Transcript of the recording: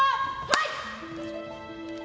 はい！